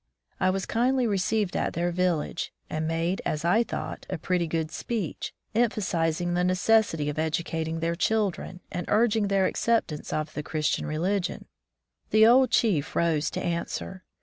I was kindly received at their village, and made, as I thought, a pretty good speech, emphasizing the necessity of educating their children, and urging their acceptance of the Christian religion. The old chief rose to answer.